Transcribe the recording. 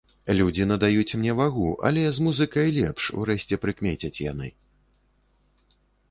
Людзі надаюць мне вагу, але з музыкай лепш, урэшце прыкмецяць яны.